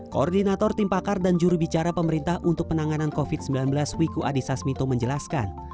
koordinator tim pakar dan juru bicara pemerintah untuk penanganan covid sembilan belas wiku adhisasmito menjelaskan